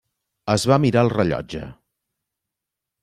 Es va mirar el rellotge.